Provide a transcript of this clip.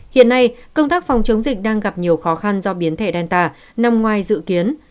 hiện nay công tác phòng chống dịch đang gặp nhiều khó khăn do biến thể đàn tà nằm ngoài dự kiến